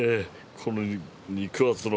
この肉厚の。